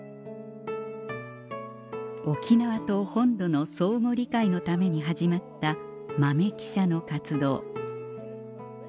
沖縄と本土の相互理解のために始まった豆記者の活動